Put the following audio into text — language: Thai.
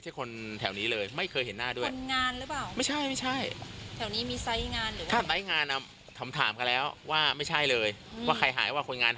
ก็คือไม่ใช่คนแถวนี้เลย